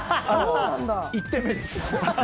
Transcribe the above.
１点目です。